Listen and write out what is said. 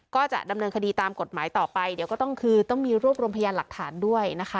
ก็จะดำเนินคดีตามกฎหมายต่อไปเดี๋ยวก็ต้องคือต้องมีรวบรวมพยานหลักฐานด้วยนะคะ